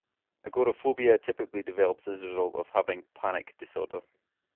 Agoraphobia typically develops as a result of having panic disorder.